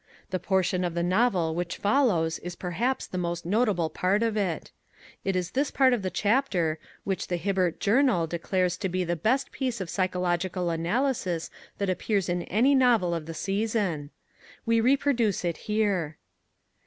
The portion of the novel which follows is perhaps the most notable part of it. It is this part of the chapter which the Hibbert Journal declares to be the best piece of psychological analysis that appears in any novel of the season. We reproduce it here.